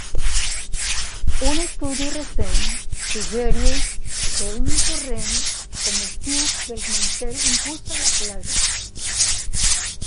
Un estudi recent suggereix que un corrent convectiu del mantell impulsa la placa.